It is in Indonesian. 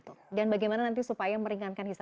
terkait bagaimana kita harus memanfaatkan itu